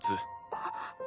あっ。